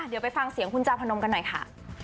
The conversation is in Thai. เดี๋ยวไปฟังเสียงคุณจาพนมกันหน่อยค่ะ